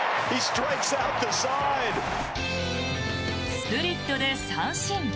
スプリットで三振。